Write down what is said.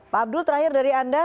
pak abdul terakhir dari anda